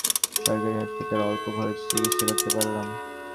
তবুও রক্ষা বড়বোন ডাক্তার, তাই সরকারি হাসপাতালে অল্প খরচে চিকিৎসা করতে পারলাম।